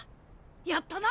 やったな！